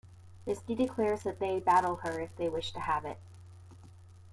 Misty declares that they battle her if they wish to have it.